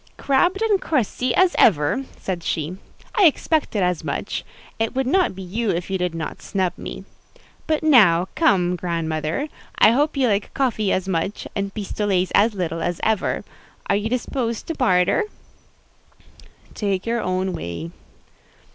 "Crabbed and crusty as ever!" said she. "I expected as much: it would not be you if you did not snub one. But now, come, grand mother, I hope you like coffee as much, and pistolets as little as ever: are you disposed to barter?" "Take your own way."